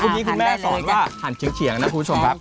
นี้คุณแม่สอนว่าหั่นเฉียงนะคุณผู้ชมครับ